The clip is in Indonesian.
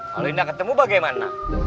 kalau indah ketemu bagaimana